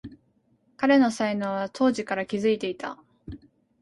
彼の才能は当時から気づいていた